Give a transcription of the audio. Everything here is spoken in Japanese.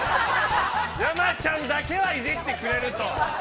山ちゃんだけはいじってくれると！